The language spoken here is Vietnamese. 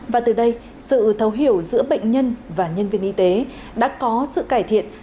và từ đây sự thấu hiểu giữa bệnh nhân và nhân viên y tế đã có sự cải thiện